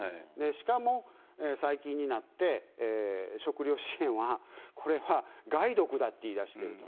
しかも最近になって、食糧支援は、これは、害毒だと言い出してると。